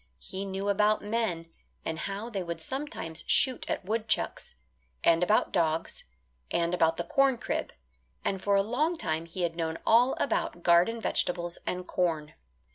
He knew about men, and how they would sometimes shoot at woodchucks; and about dogs, and about the corn crib; and for a long time he had known all about garden vegetables and corn.